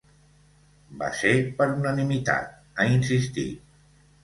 Va ser per unanimitat, ha insistit.